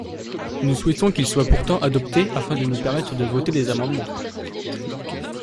Nous souhaitons qu’ils soient pourtant adoptés afin de nous permettre de voter les amendements.